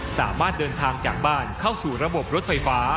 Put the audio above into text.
สามารถเดินทางจากบ้านเข้าสู่ระบบรถไฟฟ้า